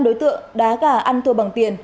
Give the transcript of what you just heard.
một mươi năm đối tượng đá gà ăn thua bằng tiền